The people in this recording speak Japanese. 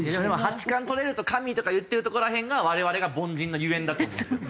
「八冠取れると神！」とか言ってるところらへんが我々が凡人のゆえんだと思います。